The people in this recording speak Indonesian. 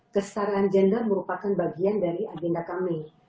kestaraan gender merupakan bagian dari agenda kami